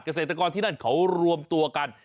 เกษตรกรที่นั่นเขารวมตัวกัน